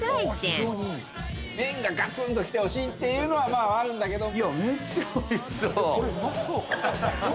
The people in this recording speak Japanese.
麺がガツンときてほしいっていうのはあるんだけど。